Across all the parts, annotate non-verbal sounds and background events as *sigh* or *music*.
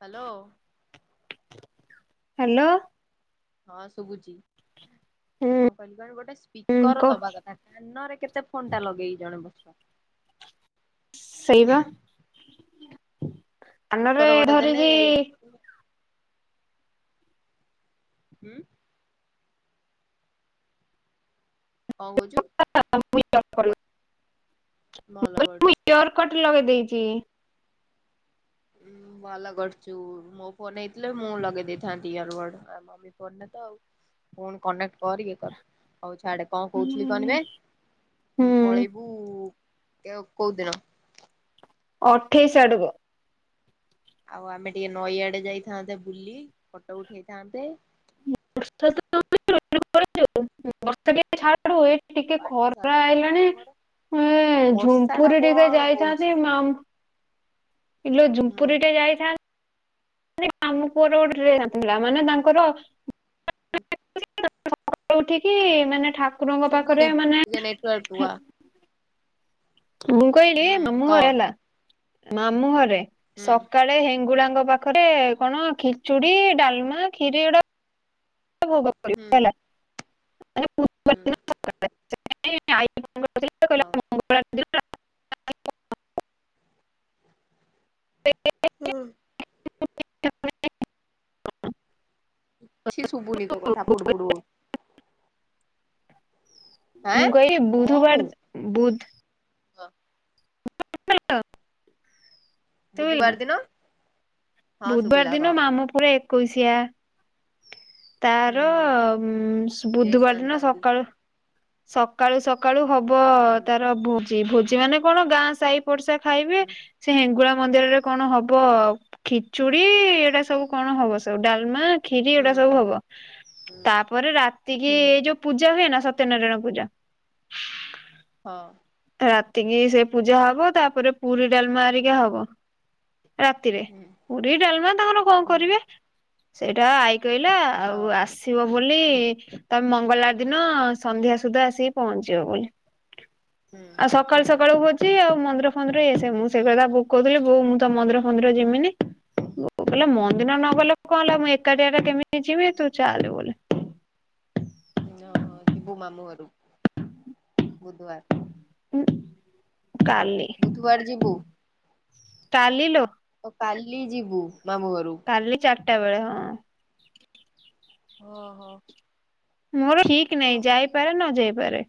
Hello hello ହଁ ଶୁଭୁଛି କଣ ହୁଁ କହିଲି କଣ ଗୋଟେ ସ୍ପିକର କହ ଦବା କଥା। କାନରେ କେତେ ଫୋନ୍ ଟା ଲଗେଇକି ଜଣେ ବସ କାନରେ ସ୍ପିକର ଗୋଟେ ଦେଲେ ଧରିକି ଯାଇ ହୁଁ। କଣ କହୁଚୁ? *unintelligible* ଭଲ କର ଇଅର୍ କଟ୍ ଲଗେଇ ଦେଇଛି। ଉଁ ଭଲ କରୁଛୁ ମୋ ଫୋନ ହେଇଥିଲେ ମୁଁ ଲଗେଇ ଦେଇଥାନ୍ତି ଇଅରକଡ୍ ଟା। *unintelligible* ହଉ ଛାଡେ। କଣ କହୁଥିଲି କହନିବେ ହୁଁ ପଳେଇବୁ କୋଉଦିନ? ଅଠେଇଶି ଆଡ଼କୁ। ଆଉ ଆମେ ଟିକେ ନଈଆଡ଼େ ଯାଇଥାନ୍ତେ ବୁଲି ଫଟୋ ଉଠେଇଥାନ୍ତେ। ବର୍ଷା ତ ବର୍ଷ ଟିକେ ଛାଡ଼ୁ ଏ ଟିକେ ପାଠ ସାଠ ଖରା ତ ହେଇଲାଣି। ନାହିଁ ମୋର ହଁ ବର୍ଷା ଟା ଝୁମପୁର ଟିକେ କଣ ହଉଛି ଯାଇଥାନ୍ତି ମ ଆମ। କିଲୋ ହୁଁ ଝୁମ୍ପୁରୀ ଟେ ଯାଇଥାନ୍ତ *unintelligible* ମାନେ ତାଙ୍କର *unintelligible* ଉଠିକି ମାନେ ଠା ସୁବୁନି ଟିକେ ନେଟୱର୍କ କୁ ଆ ମୁଁ କହିଲି ହୁଁ ମାମୁଁ କହ ଘରେ ହେଲା ମାମୁଁ ଘରେ ହୁଁ ସକାଳେ ହେଙ୍ଗୁଳାଙ୍କ ପାଖ ଖରେ କଣ ଖିଚୁଡ଼ି ଡାଲମା ଖିରି ଭୋଗ ହୁଁ ହେଲା। *unintelligible* ହୁଁ। *unintelligible* ହଁ। *unintelligible* *unintelligible* ହୁଁ। କିଛି ଶୁଭୁନି ତୋ କଥା ପୁଡ଼ୁପୁଡ଼ୁ ହଉ ମୁଁ କଣ କହିଲି କହୁଛୁ ଗୁରୁବାର ବୁଧ ଶୁଭିଲା ବୁଧବାର ଦିନ ହଁ ବୁଧବାର ଶୁଭିଲା ଦିନ କହ ମାମୁଁ ପୁଅର ଏକୋଇସିିଆ। ହୁଁ ତାର ଦେ ବୁଧବାର ଶାନ୍ତ ଥା ଦିନ ତୁ ସକାଳୁ ସ ସକାଳୁ ସକାଳୁ ହବ ହୁଁ ତାର ଭୋଜି ଭୋଜି ମାନେ କଣ ଗାଁ ସାହି ପଡିସା ଖାଇବେ। ହୁଁ ସେ ହେଙ୍ଗୁଳା ମନ୍ଦିରରେ କଣ ହବ ହୁଁ ଆଉ? ଖିଚୁଡି ଏଇଡ଼ା ସବୁ କଣ ହବ ସବୁ ଡାଲମା। ଖିରି ହୁଁ ଏଟା ସବୁ ହବ ହୁଁ ତାପରେ ରାତିକି ହୁଁ ଏଇ ଯୋଉ ପୂଜା ହୁଏ ନା ସତ୍ୟନାରାୟଣ ପୂଜା ହଁ। ରାତିକି ସେ ପୂଜା ହବ ତାପରେ ପୁରୀ ଡାଲମା ହେରିକା ହବ। ରାତିରେ ହୁଁ ପୁରୀ ଡାଲମା ତାଙ୍କର କଣ ହୁଁ କରିବେ ସେଇଟା ଆଇ କହିଲ ଆଉ ହଁ ଆସ ଆସିବ ବୋଲି ତମେ ମଙ୍ଗଳବାର ଦିନ ସନ୍ଧ୍ୟା ସୁଦ୍ଧା ଆସିକି ପହଞ୍ଚିବ ବୋଲି। ହୁଁ ଆଉ ସକାଳୁ ହୁଁ ସକାଳୁ ଆଉ ମନ୍ଦିର ଫନ୍ଦିର ଇଏ ସେ। ମୁଁ ସେଇ କଥା ବୋଉ କୁ କହୁଥିଲି ବୋଉ ମୁଁ ତ ମନ୍ଦିର ଫନ୍ଦିର ଯିମିନି। ବୋଉ କହିଲା ହୁଁ। ମନ୍ଦିର ନ ଗଲେ କଣ ହେଲା ମୁଁ ଏକାଟିଆ ଟା କେମିତି ଯିବି ତୁ ଚାଲେ ବୋଲି। ହଁ ହଁ ଯିବୁ ମାମୁଁ ଘରକୁ। ବୁଧୁବାର। କାଲି। ବୁଧୁବାର ଯିବୁ? କାଲି ଲୋ। ଓ କାଲି ଯିବୁ ମାମୁଁ ଘରକୁ। କାଲି ଚାରିଟା ବେଳେ ହଁ। ଓହୋ। ମୋର ଠିକ୍ ନାଇଁ ଯାଇପାରେ ନ ଯାଇପାରେ।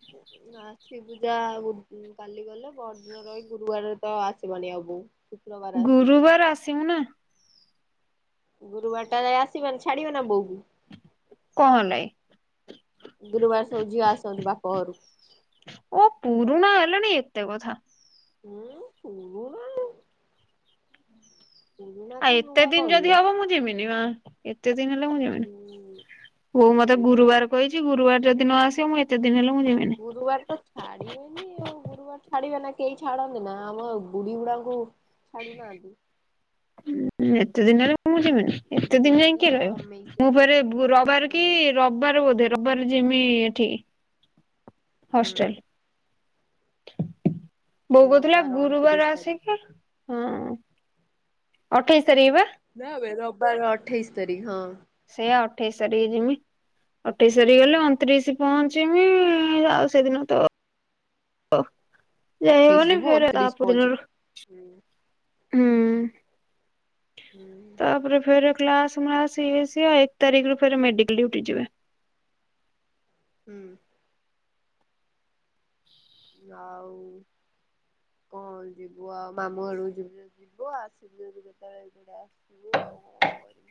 *unintelligible* କାଲି ଗଲା ପହରଦିନ ରହି ଗୁରୁବାର ତ ଆସିବନି ଆଉ ବୋଉ। ଶୁକ୍ରବାର ଆସିବୁ ବୋଧେ ଗୁରୁବାର ଆସିବୁ ନା। ଗୁରୁବାର ଟା ଯାଇ ଆସିବାନି ଛାଡିବ ନା ବୋଉକୁ। କହ ହେଲାକି? ଗୁରୁବାର ସବୁ ଝିଅ ଆସନ୍ତି ବାପ ଘରୁ। ଓ ପୁରୁଣା ହେଲାଣି ଏତେ କଥା। ହୁଁ ପୁରୁଣା। ପୁରୁଣା ଆଉ କଣ ଏତେ ନୂଆ ଦିନ କଣ ଯଦି ଲୋ ହବ ମୁଁ ଯିବିନି ବା। ଏତେ ଦିନ ହେଲେ ମୁଁ ହୁଁ। ଯିବିନି। ଆଉ ବୋଉ ମତେ ସେଇ ତ ଗୁରୁବାର କଥା। କହିଚି। ଗୁରୁବାର ଯଦି ନ ଆସିବ ମୁଁ ଏତେ ଦିନ ହେଲେ ମୁଁ ଯିବିନି। ଗୁରୁବାର ତ ଛାଡିବେନି ଆଉ। ଗୁରୁବାର ଛାଡିବେ ନା କେହି ଛାଡନ୍ତି ନା ଆମ ବୁଢୀ ଗୁଡ଼ା ଙ୍କୁ ଛାଡ଼ୁ ନାହାନ୍ତି। ଏତେ ଦିନ ହେଲେ ମୁଁ ଯିବିନି। ଏତେ ଦିନ ଯାଇ ଗୁରୁବାରେ କିଏ ରହିବ। ମୁଁ ଅମେଇସିଆରେ ଫେରେ ରବାର କି ହୁଁ ରବିବାର ବୋଧେ ରବିବାର ଯିମି ଏଠିକି ହଷ୍ଟେଲ। ବୋଉ କହୁଥିଲା ରବିବାର ଅଣତିରିଶ ଗୁରୁବାର ତାରିଖ ଆସିକି ଅଠେଇଶ ତାରିଖ ବା। ଯା ବେ ରବିବାର ଅଠେଇଶି ତାରିଖ ହଁ। ସେଇଆ ଅଠେଇଶ ତାରିଖ ଯିମି। ଅଠେଇଶ ତାରିଖ ଉଁ ଗଲେ ହୁଁ। ଅଣତିରିଶ ପହଞ୍ଚିମି ଆଉ ସେଦିନ ତ *unintelligible* ଅଠେଇଶି ଯିବୁ ଅଣତିରିଶ ପହଞ୍ଚିବୁ। ହୁଁ ହୁଁ ହୁଁ ତାପରେ ଫେରେ କ୍ଲାସ୍ ମ୍ଲାସ ଇଏ ସିଏ ଏକ ତାରିଖ ରୁ ଫେରେ ମେଡିକାଲ ଡୁଟି ଯିବେ। ହୁଁ। ଆଉ କଣ ଯିବୁ ଆଉ ମାମୁଁ ଘରକୁ ଯିବୁ। ଯିବୁ ଆସିବୁ ଯେତେବେଳେ ଏଡେ ଆସିଥିବୁ ଆଉ ହଁ କରିବୁ।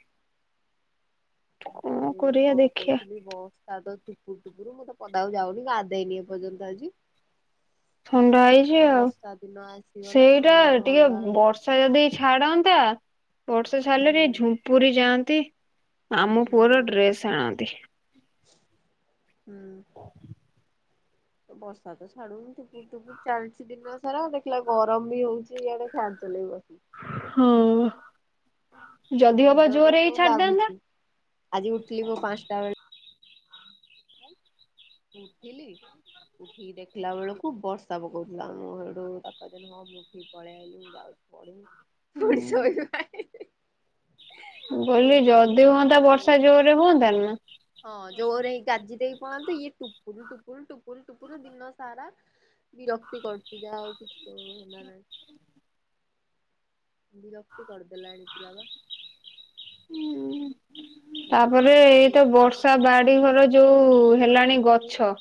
ଏ କଣ କରିବା କଣ ଦେଖିବା କହୁଥିଲି ବସ୍ ତା ତ ଠୁପୁର ଟୁପୁରୁ ମୁଁ ତ ପଦାକୁ ଯାଉନି ଗାଧେଇନି ଏ ପର୍ଯ୍ୟନ୍ତ ଆଜି। ଥଣ୍ଡା ହେଇଛି ଆଉ। ବର୍ଷା ଦିନ ଆସିଗଲା ସେଇଟା ଆଉ ଟିକେ ଥଣ୍ଡା ବର୍ ହୁଁ ବର୍ଷା ଯଦି ଛାଡନ୍ତା ବର୍ଷା ଛାଡ଼ିଲେ ଟିକେ ଝୁମ୍ପୁରି ଯାଆନ୍ତି। ମାମୁଁ ପୁଅର ଡ୍ରେସ୍ ଆଣନ୍ତି। ହୁଁ। ବର୍ଷା ତ ଛାଡ଼ୁନି ଟୁପୁରୁ ଟୁପୁରୁ ଚାଲିଚି ଦିନ ସାରା ଦେଖିଲା ବେଳକୁ ଗରମ ବି ହଉଚି ଇଆଡେ ଫ୍ୟାନ୍ ତଳେ ବସିଲେ। ହଁ। ଜଦି ନିଦ ହବ ତ ଜୋରେ ହେଇ ଯୋଉ ଛାଡିଥାନ୍ତା। ଲାଗୁଛି ଆଜି ଉଠିଲି ମୁଁ ପାଞ୍ଚଟା ବେଳୁ ଉଠିଲି ଉଠିକି ଦେଖିଲା ବେଳକୁ ବର୍ଷ ର୍ଷା ପକଉଥିଲା ମୁଁ ହେଡୁ ତାକୁ କହି ଦେଲି ହଁ ମୁଁ ଉଠି କି ପଳେଇ ଆଇଲି ମୁଁ ଯାଉଛି ପଢିବି। *unintelligible* ମୁଁ ଶୋଇ କଇଲି ପଡିଲି ଯଦି ହୁଅନ୍ତା ବର୍ଷା ଜୋର ରେ ହୁଅନ୍ତା ନି। ହଁ ଜୋରେ ହେଇ ଗାଜି ଦେଇକି ପଳାନ୍ତୁ ଇଏ ଟୁପୁରୁ ଟୁପୁରୁ ଟୁପୁରୁ ଟୁପରୁ ଦିନ ସାରା। ବିରକ୍ତି କରୁଛି ଯାହା ଆଉ କିଛି କାମ ଧନ୍ଦା ନାହିଁ। ବିରକ୍ତି କରିଦେଲାଣି ପୁରା ବା। ହୁଁ। ହୁଁ ତାପରେ ଏଇ ତ ପଳେଇବି ମମି ବର୍ଷା କହୁଛି ଖାଲି ବାଡି ଘର ମୁଁ ଯୋଉ ମମି କହୁଛି ହେଲାଣି ମୁଁ ପୁଣି ଗଛ।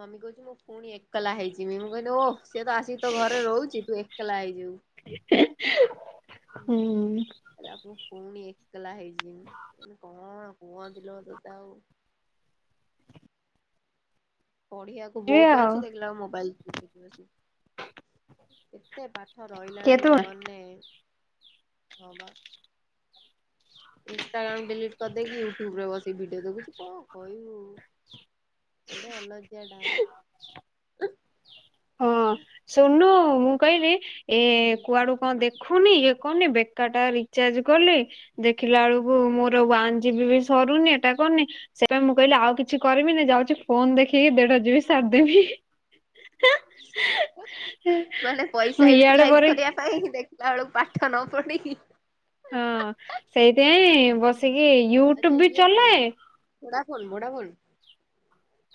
ମମି କହୁଛି ମୁଁ ପୁଣି ଏକଲା ହେଇଛି ମମି କହିଲେ ଓ ସିଏ ତ ଆସିକି ତୋ ଘରେ ରହୁଛି ତୁ ଏକଲା ହେଇ ଯିବୁ଼। ହୁଁ। କଇଲା ମୁଁ ଫୁଣି ପୁଣି ଏକଲା ହେଇଯିମି ମୁଁ କଇଲି କଣ କୁହନ୍ତି ଲୋ ତୋତେ ଆଉ। ପଢିଆକୁ ଯିବେ ବହୁତ ଆଉ ଅଛି ଦେଖିଲା ‌ବେଳକୁ ମୋବାଇଲ ଚିପୁଚି କେତେ ପା ଠ ରହିଲାଣି କେତୁ ଜୀବନରେ ହଁ ବା। ଇନସଟାଗ୍ରାମ ଡିଲିଟ କରିଦେଇକି ୟୁଟ୍ୟୁବ ରେ ବସି ଭିଡିଓ ଦେଖୁଛିୁ କଣ କହିବୁ। ଏଡେ ଅଲଜ୍ୟା ଟା। ହ ହଁ ଶୁଣୁନୁ ମୁଁ କହିବି ଏଁ ହୁଁ କୁଆଡୁ କଣ ଦେଖ। ଦେଖୁନି ଇଏ କରୁନି ବେକାର ଟାରେ ରିଚାର୍ଜ କଲି ଦେଖିଲା ବେଳକୁ ହୁଁ ମୋର ୱାନ ଜିବି ବି ସରୁନି ଏଟା କରୁନି ସେଇ ପାଇଁ ମୁଁ କହିଲି ଆଉ କିଛି। କରିବି ନି ଯାଉଛି ଫୋନ ଦେଖିକି ଦେଢ ଯିବି ସାରିଦବି ହିଁ ହି। ନହେଲେ ମୁଁ ପଇସା ଇଆଡେ ୟୁଟିଲାଇଜ ପରେ କରିବା। ପାଇଁ ଦେଖିଲା ବେଳକୁ ପାଠ ନ ପଢିକି। ହଁ ସେଇଥିପାଇଁ ହୁଁ ବସିକି ୟୁ ଟ୍ୟୁବ ବି ଚଲାଏ। Voda phone Vodafone.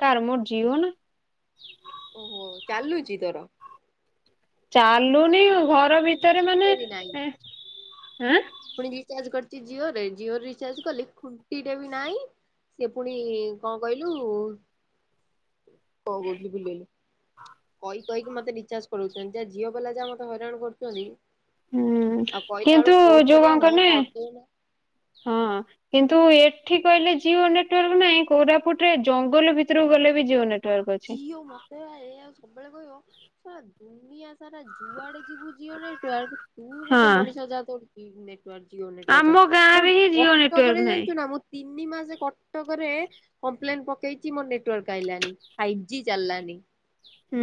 କାର ମୋର ଜିଓ ନା। ଓହୋ ଚାଲୁଚି ତୋର। ଚାଲୁନି ମୋର ବା ଘର ଭିତରେ ମାନେ ଟୁଣ୍ଟିରେ ବି ନାହିଁ ଏ ଏଁ। ପୁଣି ରିଚାର୍ଜ କରିଛି ଜିଓରେ ଜିଓ ରିଚାର୍ଜ କଲି ଖୁଣ୍ଟି ଟେ ବି ନାଇଁ। ସିଏ ପୁଣି କଣ କହିଲୁ କଣ କହୁଥିଲି ଭୁଲି ଗଲି। କହି କହିକି ମତେ ରିଚାର୍ଜ କରୁଉଛନ୍ତି ଯାହା ଯିଓ ବାଲା ଯାହା ମତେ ହଇରାଣ କରୁଛନ୍ତି। ହୁଁ ଆଉ କହିଲା କିନ୍ତୁ ବେଳକୁ କୋର୍ଟ ଯୋଉ କଁ କରିବା ହଁ କନି। କରିଦଉନ ହଁ କିନ୍ତୁ ଏଠିକି। କି ଆଇଲେ ଜିଓ ନେଟ ୱର୍କ ନାଇଁ କୋରାପୁଟରେ ଜଙ୍ଗଲ ଭିତରକୁ ଗଲେ ବି ଜିଓ ନେଟ। ଯିଓ‌ ମତେ ବା ଏଇଆ ସବୁବେଳେ କହିବ ସାଳା ଦୁନିଆ ସାରା। ଯୁଆଡେ ଯିବୁ ଝିଓ ନେଟୱର୍କ ତୁ ଗୋଟେ ହଁ ମଣିଷ ଯାହା ତୋ ନେ ଅଜିବନେଟୱର୍କ ମୋନେ ଆମ ଗାଁ ରେ ହିଁ ଜିଓ କଟକ ନେଟୱାର୍କ ରେ ନାହିଁ। ଜାଣିୁଚୁ ନା। ତିନି ମାସ କଟକରେ କମ୍ପ୍ଲେନ ପକେଇଛି ମୋର ନେଟୱାର୍କ ଆଇଲାନି। ଫାଇଭ୍ ଜି ଚାଲିଲାନି।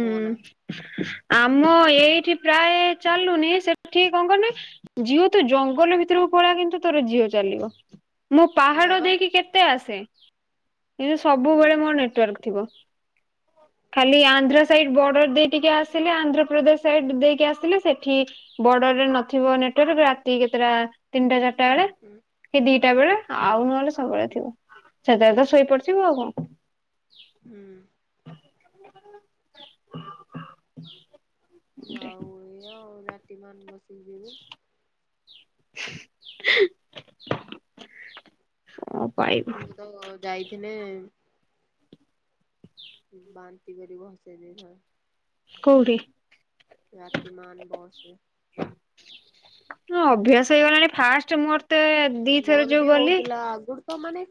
କହନା। ଆମ ଏଇଠି ପ୍ରାୟ ଚାଲୁନି ସେଠି କଁ କହନି। ଜିଓ ତୁ ଜଙ୍ଗଲ ଭିତରକୁ ପଳା କିନ୍ତୁ ତୋର ଜିଓ ଚାଲିବ। ମୁଁ ପାହାଡ଼ ସେଇଆବା ଦେଇକି କେତେ ଆସେ। ହେଲେ ହୁଁ ସବୁବେଳେ ମୋର ନେଟୱର୍କ ଥିବ ଖାଲି ଆ ଧ୍ର ସାଇଡ ବର୍ଡର ଦେଇ ଟିକେ ଆସିଲେ ଆନ୍ଧ୍ରପ୍ରଦେଶ ସାଇଡ ଦେଇକି ଆସିଲେ ସେଠି। ବର୍ଡର ରେ ନଥିବ ନେଟୱାର୍କ ରାତି କେତେଟା। ତିନିଟା ଚାରିଟା ବେଳେ ହୁଁ କି ଦିଟା ବେଳେ ହୁଁ ଆଉ ନହେଲେ ସବୁବେଳେ ହୁଁ ଥିବ। ସେତେବେଳେ ତ ଶୋଇପଡି ଥିବୁ ଆଉ କଁ। ହୁଁ। *inaudible* ଆଉ ଏଇ ଆଉ ରାତି ମ ବସି ହ ପାଇବୁ। ମୁଁ ତ ଯାଇଥିଲେ। ବାନ୍ତି କରି ଭସେଇ ଦେଇ ଥାନ୍ତା। କଉଠି? ରାତି ମାନ ବସରେ। ହଁ, ଅଭ୍ୟାସ ହେଇଗଲାଣି ଫାଷ୍ଟ ମୋର ତେ ମୋର ବି ହଉଥିଲା ଆଗରୁ ତ ମାନେ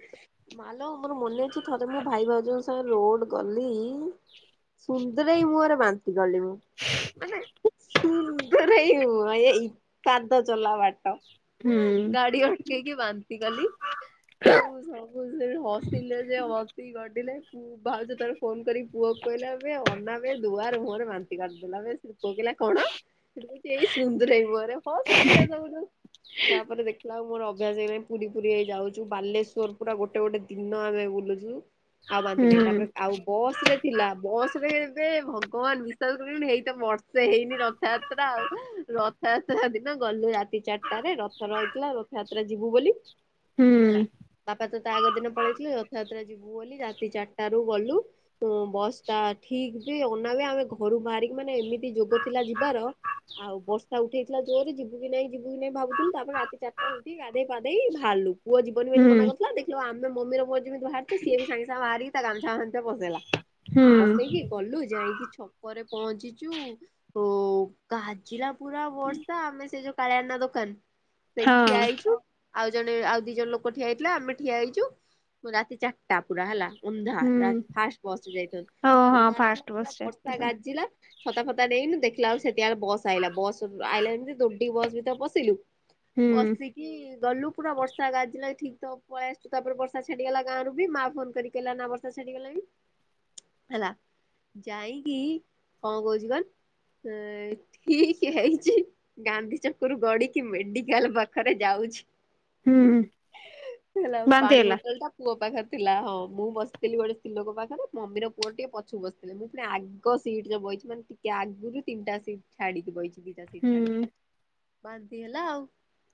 ମାଲ ମୋର ମନେ ଅଛି ଥରେ ମୁଁ ଭାଇ ଭାଉଜଙ୍କ ସାଙ୍ଗ ରୋଡ ଗଲି। ସୁନ୍ଦର ହେଇ ମୁଁରେ ବାନ୍ତି ଗଲି ମୁଁ। ମାନେ ସୁନ୍ଦର ହେଇଉ ଆଇ ସାଧ୍ୟ ଚଲା ବାଟ। ହୁଁ ଗାଡ଼ି ଟକେଇ କି ବାନ୍ତି କଲି। ଯୋଉ ସବୁ ସେଠି ହସିଲେ ଯେ, ହସି ଗଡିଲେ। ଭାଉଜ ତାର ଫୋନ କରିକି ପୁଅ କୁ କହିଲା ଆବେ ଅନାବେ ଦୁଆର ମୁହଁରେ ବାନ୍ତି କରି ଦେଲାବେ। କହିଲା କଣ ସେଠୁ ଏଇ ସୁନ୍ଦର ହେଇ ମୁଁହରେ ହସିଲେ ଯେ ସବୁ ତାପରେ ଦେଖିଲା ବେଳକୁ ମୋର ଅଭ୍ୟାସ ହେଇଗଲାଣି ପୁରୀ ପୁରୀ ହେଇ ଯାଉଛୁ ବାଲେଶ୍ଵର ପୁରା ଗୋଟେ ଗୋଟେ ଦିନ ଆମେ ବୁଲୁଚୁ। ଆଉ ବାନ୍ତି ହୁଁ ନାହିଁ। ତାପରେ ଆଉ ବସ୍ ରେ ଥିଲା। ବସ ରେ ଏବେ ଭଗବାନ ବିଶ୍ଵାସ କରିବ ନି ହେଇତ ବର୍ଷେ ହେଇନି ରଥଯା ତ୍ରା ଆଉ ରଥଯାତ୍ରା ଦିନ ଗଲୁ ରାତି ଚାରି ଟା ରେ ରଥ ରହିଥିଲା ରଥଯାତ୍ରା ଯିବୁ ବୋଲି ହେଲା। ହୁଁ ବାପା ତ ତା ଆଗ ଦିନ ପଳେଇଥିଲେ। ରଥଯାତ୍ରା ଯିବୁ ବୋଲି ରାତି ଚାରିଟାରୁ ଗଲୁ। ବସ୍ ଟା ଠିକ ବେ ଅନା ବେ ଆମେ ଘରୁ ବାହାରିକି ମାନେ ଏମିତି ଯୋଗ ଥିଲା ଯିବାର ଆଉ ବର୍ଷା ଉଠେଇଥିଲା ଜୋରେ, ଯିବୁ କି ନାଇଁ, ଯିବୁ କି ନାଇଁ ଭାବୁଥିଲୁ। ତାପରେ ରାତି ଚାରିଟା ଧୈ ପାଦେଇ ଭାରିଲୁ। ପୁଅ ଯିବନି ବୋଲି ହୁଁ ମନା କରୁଥିଲା। ଦେଖିଲା, ଆମେ ମମି ର ମୋର ଯେମିତି ବାହାରିଚୁ ସିଏ ବି ସାଙ୍ଗେ, ସାଙ୍ଗ ବାହାରି ତା ଗାମୁଛା ଫାମୁଛା ପସେଇଲା। ହୁଁ ପସେଇକି ଗଲୁ। ଯାଇକି ଛ ପରେ ପହଞ୍ଚିଚୁ ଓ କାଜିଲା ପୁରା ବର୍ଷା। ଆମେ ସେ ଯ କାଳିଆନା ଦୋକାନ। ସେଇଠି ହଁ। ଠିଆ ହେଇଛୁ ଆଉ ଜଣେ, ଆଉ ଦି ଜଣ ଲୋକ ଠିଆ ହେଇଥିଲା ଆମେ ଠିଆ ହେଇଚୁ। ରାତି ଚାରିଟା ପୁରା ହେଲା। ହୁଁ ଅନ୍ଧାର। ଫାଷ୍ଟ ବସ ଯାଇଥଲୁ। ହଁ ହଁ ଅନ୍ଧାର ଥିଲା ଫାଷ୍ଟ ପୁର ବସ୍ ବସ୍ତା ଗା ଟା ଜିଲା। ଛତା ଫତା ଦେଇନୁ ଦେଖିଲା ବେଳକୁ ସେତେବଳେ ବସ ଆଇିଲା ବସ ଆଇଲା ଯେମିତି ଦୋଡି ବସ୍ ଭିତରେ ବସିଲୁ। ହୁଁ ବସି କି କି ଗଲୁ ପୁରା ବର୍ଷା ଗାଜିଲା। ଠିକ ତ ପଳେଇ ଆସୁ ତାପରେ, ବର୍ଷା ଛାଡିଗଲା ଗାଁରୁ ବି। ମା ଫୋନ କରିକି କଇଲା ନା ବର୍ଷା ଛାଡ଼ି ଗଲାଣି, ହେଲା। ଯାଇକି କଣ କହୁଚି କ ହଁ, ଠିକ ହେଇଚି, ଗାନ୍ଧି ଛକରୁ ଗଡିକି ମେଡିି ପାଖରେ ଯାଉଚି ହୁଁ ହେଲେ ଆ ବାନ୍ତି ପାଣି ହେଲା ବୋଟଲ ଟା ପୁଅ ପାଖରେ ଥିଲା ହଁ ମୁଁ ବସିଥିଲି ଗୋଟେ ସ୍ତ୍ରୀଲୋକ ପାଖରେ। ମମିର, ପୁଅର ଟିକେ ପଛକୁ ବସି ଥିଲେ। ମୁଁ ପୁଣି ଆଗ ସିଟ୍ ରେ ବଇଛି। ମାନେ ଟିକେ ଆଗରୁ ତିନିଟା ସିଟ୍ ଛାଡିକି ବଇଚି। ଦି ଟା ସିଟ୍ ହୁଁ ଛାଡି କି। ବାନ୍ତି ହେଲା ଆଉ।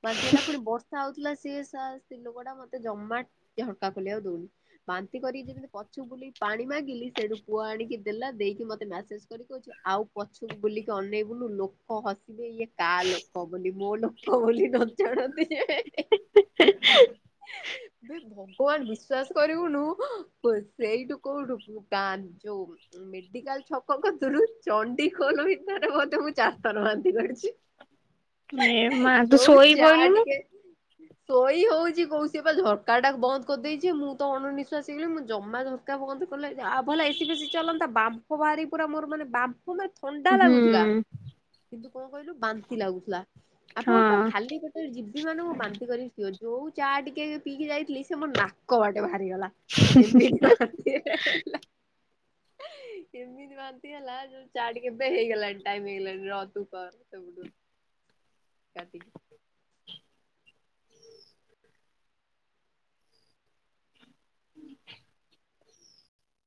ବାନ୍ତି ହେଲା ପୁଣି ବର୍ଷା ହଉଥିଲା। ସିଏ ସା ସ୍ତ୍ରୀ ଲୋକଡା ମତେ ଜମା ଝରକା ଖୋଲିବାକୁ ଦଉନି। ବାନ୍ତି କରିକି ଯେମିତି ପଛୁ ବୁଲିକି ପାଣି ମାଗିଲି ସେଇଠୁ ପୁଅ ଆଣିକି ଦେଲା। ଦେଇକି ମତେ ମେସେଜ କରି କହୁଚି ଆଉ ପଛକୁ ବୁଲିକି ଅନେଇବୁନୁ ଲୋକ ହସିବେ। ଇଏ କାହା ଲୋକ ବୋଲି ମୋ ଲୋକ ବୋଲି ନ ଜାଣନ୍ତି ସେ। ଏ ବେ ଭ ଗବାନ ବିଶ୍ଵାସ କରିବୁନୁ। ସେଇଠୁ କୋଉଠୁ ଯୋଉ ମେଡିକାଲ ଛକ କତରୁ ଚଣ୍ଡିଖୋଲ ଭିତରେ ବୋଧେ ମୁଁ ଚାରି ଥର ବାନ୍ତି କରିଚି। *inaudible* ଏ ମା ତୁ ସୋଇ ଯା ଟିକେ। ଶୋଇ ହଉଛି କୋଉ ସେ ବା ଝରକା ଟା ବନ୍ଦ କରିଦେଇଛି। ମୁଁ, ତ ଅଣନିଃଶ୍ବାସୀ ହେଇଗଲି। ମୁଁ ଜମାର କ କହ ଆଉ ଭଲ ଏସି ବେଶି ଚଲନ୍ତା ବାମ୍ପ ବାହାରି ପୁରା ମୋର ମାନେ ବାମ୍। ଥଣ୍ଡା ହୁଁ ଲାଗୁଥିଲା କିନ୍ତୁ କଣ କହିଲୁ ବାନ୍ତି ଲାଗୁଥିଲା ଆପଣଙ୍କର ପା ହଁ କାଲି ଗୋଟେ ଜିବି ମାନଙ୍କୁ ବାନ୍ଧିକ କରିକି ପିଅ ଯୋଉ ଚା ଟିକେ ପିଇି ଯାଇଥିଲି ସେ ମୋ ନାକ ବାଟେ ବାହାରିଗଲା। ଏମିତି ବାନ୍ତି ହେଲା ଏମିତି ବାନ୍ତି ହେଲା ଜ ଚା ଟିକେ ପିଇବା ହେଇଗଲାଣି ଟାଇମ୍ ହେଇଗଲାଣି *unintelligible* କାଟିକି।